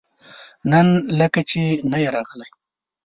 نن لکه چې نه يې راغلی؟